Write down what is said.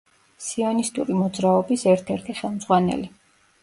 სიონისტური მოძრაობის ერთ-ერთი ხელმძღვანელი.